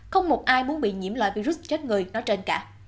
không một ai muốn bị nhiễm loại virus chết người nói trên cả